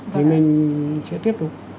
thì mình sẽ tiếp tục